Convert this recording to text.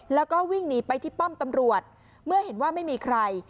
แล้วก็วิ่งหนีไปที่ป้อมตำรวจเมื่อเห็นว่าไม่มีใคร